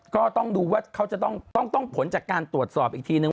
ก็ต้องดูว่าเขาจะต้องผลจากการตรวจสอบอีกทีนึง